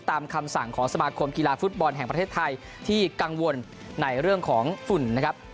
คำสั่งของสมาคมกีฬาฟุตบอลแห่งประเทศไทยที่กังวลในเรื่องของฝุ่นนะครับ